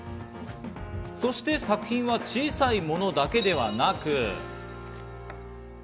そして作品は小さいものだけではなく。